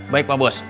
baik pak bos